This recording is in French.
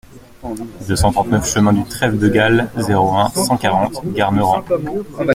deux cent trente-neuf chemin du Trève de Galle, zéro un, cent quarante, Garnerans